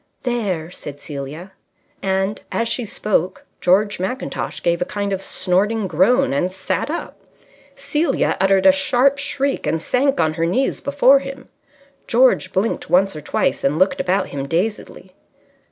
"There!" said Celia. And, as she spoke, George Mackintosh gave a kind of snorting groan and sat up. Celia uttered a sharp shriek and sank on her knees before him. George blinked once or twice and looked about him dazedly.